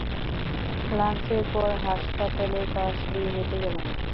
লাঞ্চের পর, হাসপাতালের পাশ দিয়ে হেঁটে গেলাম।